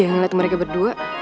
ngeliat mereka berdua